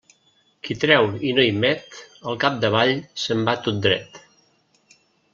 Qui treu i no hi met, al capdavall se'n va tot dret.